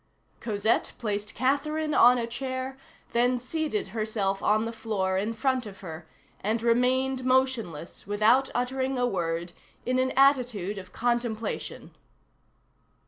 Cosette placed Catherine on a chair, then seated herself on the floor in front of her, and remained motionless, without uttering a word, in an attitude of contemplation.